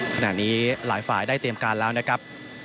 ขณะนี้หลายฝ่ายได้เตรียมการแล้วนะครับ